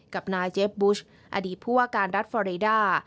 กับนายเจฟบุชอดีตผู้ว่าการรัฐฟอเรด้า